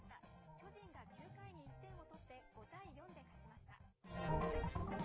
巨人が９回に１点を取って、５対４で勝ちました。